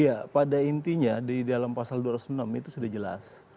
iya pada intinya di dalam pasal dua ratus enam itu sudah jelas